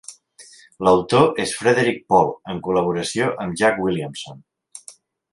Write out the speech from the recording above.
L'autor és Frederik Pohl, en col·laboració amb Jack Williamson.